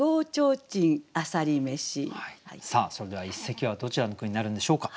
さあそれでは一席はどちらの句になるんでしょうか。